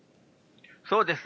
そうですね。